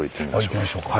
行きましょうか。